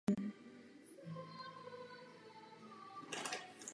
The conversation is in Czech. S tím jsme velmi spokojeni.